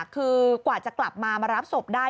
คือกว่าจะกลับมามารับศพได้